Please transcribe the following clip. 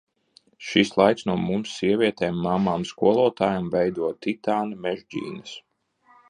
Šis laiks no mums, sievietēm, mammām, skolotājām, veido titāna mežģīnes.